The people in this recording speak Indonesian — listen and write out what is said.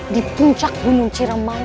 di puncak gunung ciremau